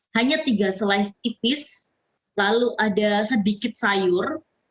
hanya tiga selais tipis lalu ada sedikit sayur